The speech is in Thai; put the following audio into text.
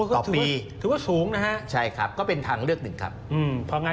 ต่อปีใช่ครับก็เป็นทางเลือกหนึ่งครับถือว่าสูงนะฮะ